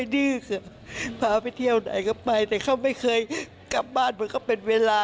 ดื้อค่ะพาไปเที่ยวไหนก็ไปแต่เขาไม่เคยกลับบ้านมันก็เป็นเวลา